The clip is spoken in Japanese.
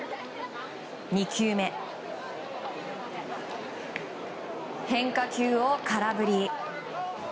２球目、変化球を空振り。